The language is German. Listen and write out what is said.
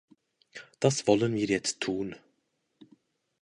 Das wollen wir jetzt tun.